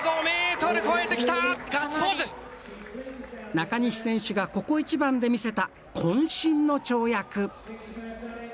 中西選手が、ここ一番で見せたこん身の跳躍。